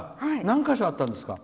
何か所あったんですか？